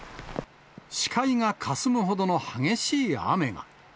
視界がかすむほどの激しい雨が。